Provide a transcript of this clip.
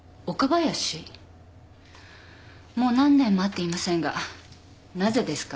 もう何年も会っていませんがなぜですか？